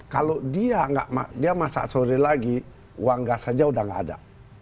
kalau dia masak sore lagi uang gas saja udah nggak ada